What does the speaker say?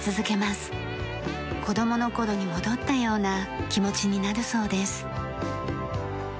子供の頃に戻ったような気持ちになるそうです。